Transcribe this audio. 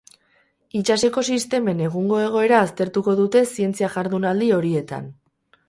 Itsas ekosistemen egungo egoera aztertuko dute zientzia jardunaldi horietan.